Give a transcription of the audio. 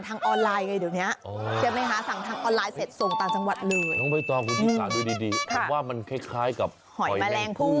แต่น่าจะตัวเล็กกว่านิดหนึ่ง